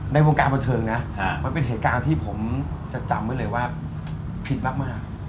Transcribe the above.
ในวงการบันเทิงนะมันเป็นเหตุการณ์ที่ผมจะจำไว้เลยว่าผิดมาก